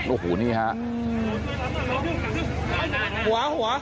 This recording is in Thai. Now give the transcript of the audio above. โอ้โหนี่ฮะ